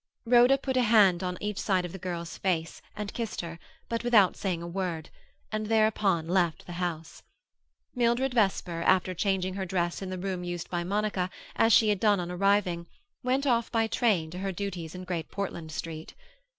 Rhoda put a hand on each side of the girl's face, and kissed her, but without saying a word; and thereupon left the house. Mildred Vesper, after changing her dress in the room used by Monica, as she had done on arriving, went off by train to her duties in Great Portland Street.